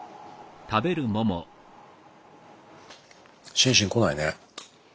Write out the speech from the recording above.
シンシン来ないね。